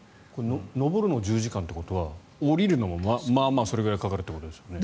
登るのが１０時間ってことは下りるのも、まあまあそれくらいかかるってことですよね。